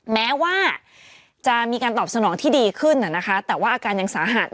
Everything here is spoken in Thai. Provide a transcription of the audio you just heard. แม้ว่าจะมีการตอบสนองที่ดีขึ้นแต่ว่าอาการยังสาหัส